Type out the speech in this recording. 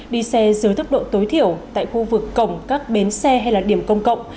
đi xe dưới tốc độ tối thiểu tại khu vực cổng các bến xe hay là điểm công cộng